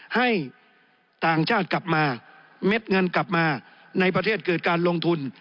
ให้ต่างชาติกลับมาเม็ดเงินกลับมาในประเทศเกิดการลงทุน